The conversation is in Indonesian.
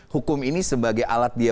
hukum ini sebagai alat dia